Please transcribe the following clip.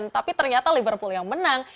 tapi ternyata liverpool yang menang